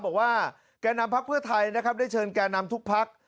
บอกว่าแกนำภักดิ์เพื่อไทยได้เชิญแกนำทุกภักดิ์